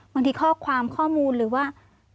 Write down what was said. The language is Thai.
บางทีข้อความข้อมูลหรือว่า